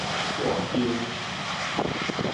煞經